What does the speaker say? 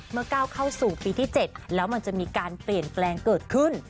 ก้าวเข้าสู่ปีที่๗แล้วมันจะมีการเปลี่ยนแปลงเกิดขึ้น